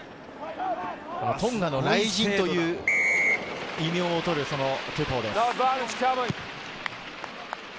トンガの雷神という異名をとるトゥポウです。